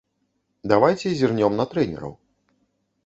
Давайце зірнём на трэнераў.